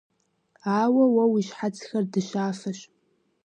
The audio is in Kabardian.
Ауэ уэ уи щхьэцхэр дыщафэщ.